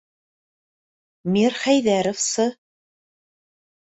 Мир- хәйҙәровсы?